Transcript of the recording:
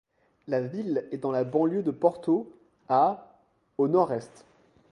La ville est dans la banlieue de Porto, à au nord-est.